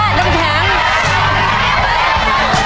ไปส่อต่อ